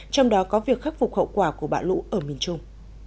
trong đó có việc khắc phục hậu quả của bão lũ ở miền trung